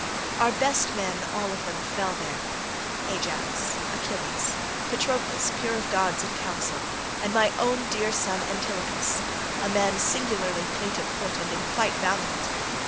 Our best men all of them fell there—Ajax, Achilles, Patroclus peer of gods in counsel, and my own dear son Antilochus, a man singularly fleet of foot and in fight valiant.